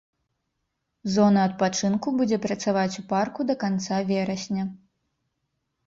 Зона адпачынку будзе працаваць у парку да канца верасня.